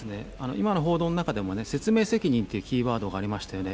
今の報道の中でも、説明責任ってキーワードがありましたよね。